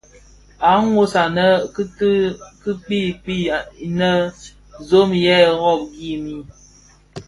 Àa nwos anè kite kì kpii, inè zòò yëë rôôghi mii.